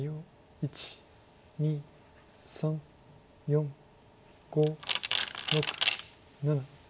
１２３４５６７８。